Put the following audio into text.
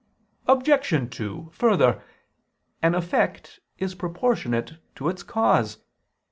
Obj. 2: Further, an effect is proportionate to its cause.